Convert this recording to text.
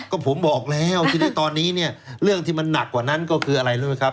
ก็ผมบอกแล้วทีนี้ตอนนี้เนี่ยเรื่องที่มันหนักกว่านั้นก็คืออะไรรู้ไหมครับ